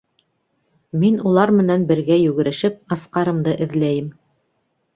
Мин улар менән бергә йүгерешеп Асҡарымды эҙләйем.